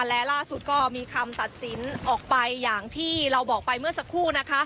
และล่าสุดก็มีคำตัดสินออกไปอย่างที่เราบอกไปเมื่อสักครู่